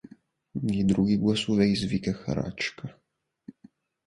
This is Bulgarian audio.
И други гласове извикаха Рачка.